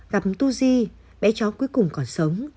gặp tu di bé chó cuối cùng còn sống